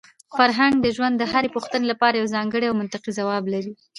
فرهنګ د ژوند د هرې پوښتنې لپاره یو ځانګړی او منطقي ځواب لري.